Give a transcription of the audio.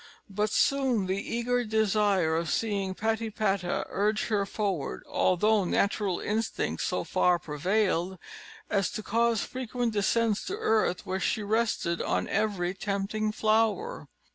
But soon the eager desire of seeing Patipata urged her forward, although natural instinct so far prevailed, as to cause frequent descents to earth, where she rested on every tempting flower.